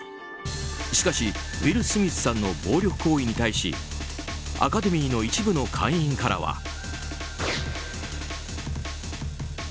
しかし、ウィル・スミスさんの暴力行為に対しアカデミーの一部の会員からは。